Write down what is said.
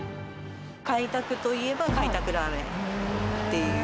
開拓といえば開拓ラーメンっていう。